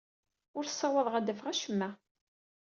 Ur ssawḍeɣ ad d-afeɣ acemma.